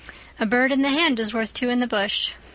'A bird in the hand is worth two in the bush.